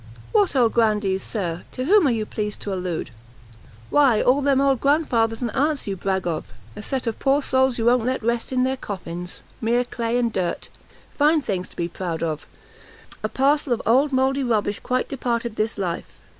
"What old grandees, Sir? to whom are you pleased to allude?" "Why all them old grandfathers and aunts you brag of; a set of poor souls you won't let rest in their coffins; mere clay and dirt! fine things to be proud of! a parcel of old mouldy rubbish quite departed this life!